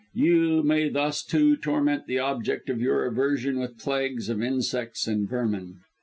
You may thus, too, torment the object of your aversion with plagues of insects and vermin.